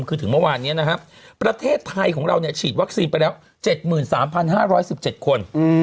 คือถึงเมื่อวานนี้นะครับประเทศไทยของเราฉีดวัคซีนไปแล้ว๗๓๕๑๗คน